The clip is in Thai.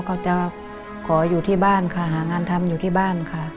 ก็จะขออยู่ที่บ้านค่ะหางานทำอยู่ที่บ้านค่ะ